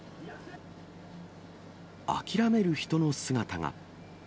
諦める人の姿が。